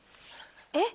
えっ？